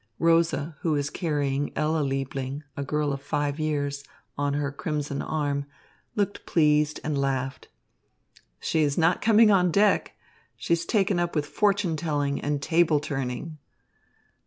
Rosa, who was carrying Ella Liebling, a girl of five years, on her crimson arm, looked pleased and laughed. "She is not coming on deck. She's taken up with fortune telling and table turning."